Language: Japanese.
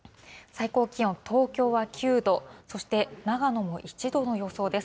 最高気温、東京は９度、そして長野も１度の予想です。